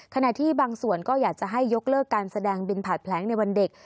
ขณะที่บางส่วนก็อยากจะให้ยกเลิกการแสดงบินผ่านแผลงในวันเด็ก